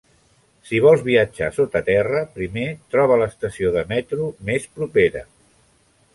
Si vols viatjar sota terra, primer troba l'estació de metro més propera